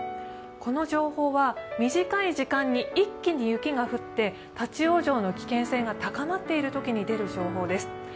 この情報は、短い時間に一気に雪が降って立往生の危険性が高まっているときに出る情報です。